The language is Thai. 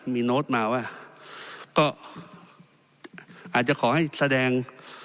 มีโน้ตมาว่าก็อาจจะขอให้แสดง